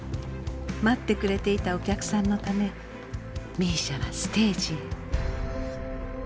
待ってくれていたお客さんのためＭＩＳＩＡはステージへ。